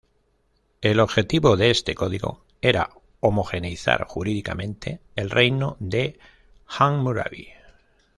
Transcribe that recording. El objetivo de este código era homogeneizar jurídicamente el reino de Hammurabi.